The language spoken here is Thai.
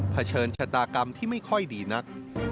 เฉินชะตากรรมที่ไม่ค่อยดีนัก